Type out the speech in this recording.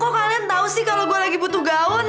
kok kalian tau sih kalo gue lagi butuh gaun